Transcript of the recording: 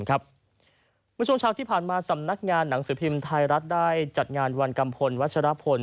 เมื่อช่วงเช้าที่ผ่านมาสำนักงานหนังสือพิมพ์ไทยรัฐได้จัดงานวันกัมพลวัชรพล